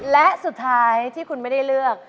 และสุดท้ายที่คุณไม่ได้เลือก